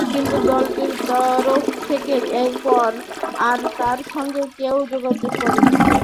কিন্তু দলটির তরফ থেকে এরপর আর তাঁর সঙ্গে কেউ যোগাযোগ করেনি।